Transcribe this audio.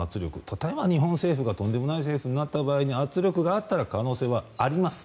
例えば日本政府がとんでもない政府になった場合圧力があったら可能性はあります。